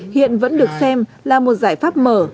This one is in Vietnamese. hiện vẫn được xem là một giải pháp mở